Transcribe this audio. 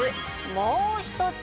もう一つ。